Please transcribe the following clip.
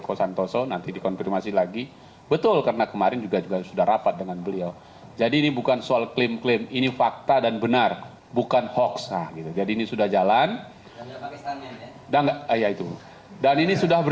kami akan menyampaikan pandangan kami